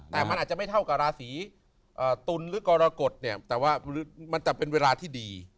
แต่มันอาจจะไม่เท่ากับราศีตุลหรือกรกฎเนี่ยแต่ว่ามันจะเป็นเวลาที่ดี